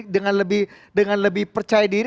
dengan lebih percaya diri